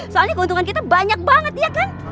soalnya keuntungan kita banyak banget ya kan